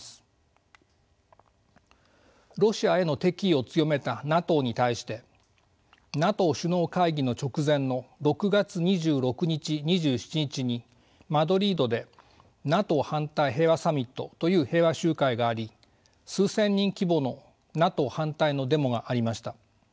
ロシアへの敵意を強めたＮＡＴＯに対してＮＡＴＯ首脳会議の直前の６月２６日２７日にマドリードでＮＡＴＯ反対平和サミットという平和集会があり数千人規模のＮＡＴＯ反対のデモがありました。